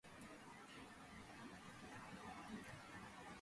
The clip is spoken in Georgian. რეგიონი შედიოდა ისტორიული ჰიამეს პროვინციის შემადგენლობაში.